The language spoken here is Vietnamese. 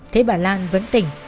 thế bà lan vẫn tỉnh